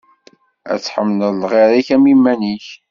Ad tḥemmleḍ lɣir-ik am yiman-ik.